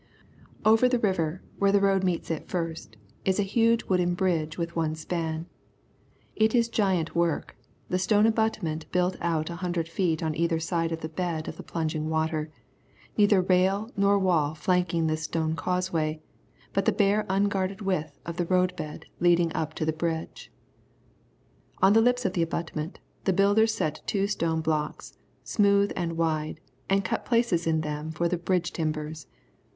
Over the river, where the road meets it first, is a huge wooden bridge with one span. It is giant work, the stone abutment built out a hundred feet on either side into the bed of the plunging water, neither rail nor wall flanking this stone causeway, but the bare unguarded width of the road bed leading up into the bridge. On the lips of the abutment, the builders set two stone blocks, smooth and wide, and cut places in them for the bridge timbers.